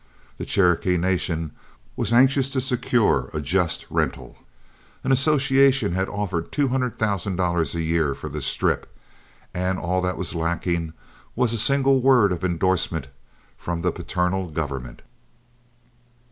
The Cherokee Nation was anxious to secure a just rental, an association had offered $200,000 a year for the Strip, and all that was lacking was a single word of indorsement from the paternal government.